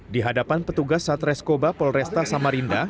di hadapan petugas satreskoba polresta samarinda